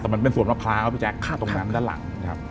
แต่มันเป็นส่วนมะพร้าวะพี่แจ๊กตรงนั้นด้านหลัง